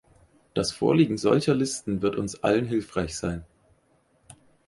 Das Vorliegen solcher Listen wird uns allen hilfreich sein.